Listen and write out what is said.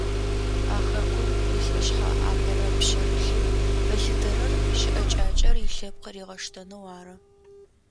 А хэкум илӏышъхьэ апэрэ пшъэрылъэу ылъытэрэр щыӏэкӏакӏэр илъэпкъ ригъэштэнэу ары.